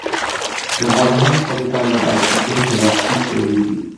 زبالههای خودتان را در کیسهی پلاستیک بریزید.